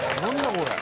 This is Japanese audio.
これ！